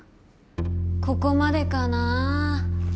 ここまでかな。